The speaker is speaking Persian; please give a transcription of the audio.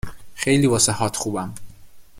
خیلی واسه " هات " خوبم